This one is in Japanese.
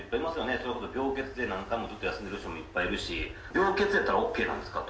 それこそ病欠で何回もずっと休んでいる人もいっぱいいますし、病欠やったらＯＫなんですかと。